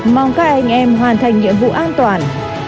mong các anh em hoàn thành nhiệm vụ an toàn